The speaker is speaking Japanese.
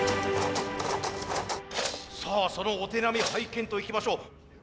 さあそのお手並み拝見といきましょう。